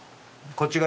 こっちが。